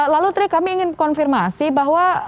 lalu tri kami ingin konfirmasi bahwa